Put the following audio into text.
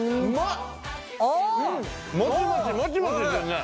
もちもちもちもちしてるね。